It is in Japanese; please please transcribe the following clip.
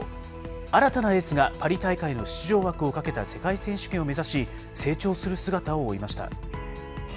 新たなエースがパリ大会の出場枠をかけた世界選手権を目指し、成長する姿を追いました。